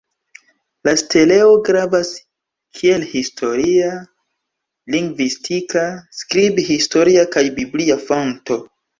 La steleo gravas kiel historia, lingvistika, skrib-historia kaj biblia fonto.